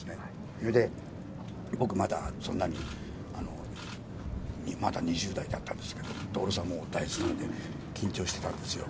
それで、僕まだそんなに、まだ２０代だったんですけど、徹さん、もう大スターで、緊張してたんですよ。